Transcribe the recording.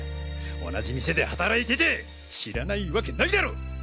同じ店で働いてて知らないわけないだろ！